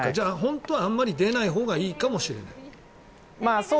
本当はあまり出ないほうがいいかもしれない。